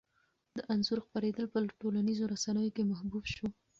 د انځور خپرېدل په ټولنیزو رسنیو کې محبوب شو.